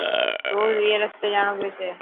روز اي رستي ڄاڻو پيسي.